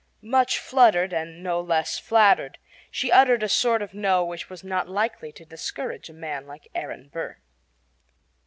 Much fluttered and no less flattered, she uttered a sort of "No" which was not likely to discourage a man like Aaron Burr.